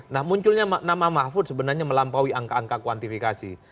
nah munculnya nama mahfud sebenarnya melampaui angka angka kuantifikasi